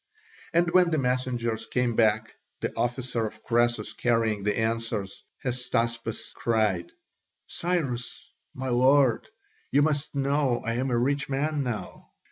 And when the messengers came back, the officer of Croesus carrying the answers, Hystaspas cried, "Cyrus, my lord, you must know I am a rich man now!